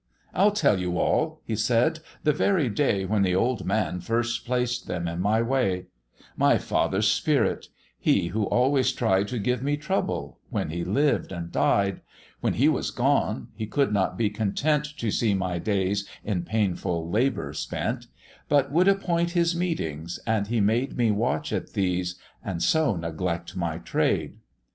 "I'll tell you all," he said, "The very day When the old man first placed them in my way: My father's spirit he who always tried To give me trouble, when he lived and died When he was gone he could not be content To see my days in painful labour spent, But would appoint his meetings, and he made Me watch at these, and so neglect my trade.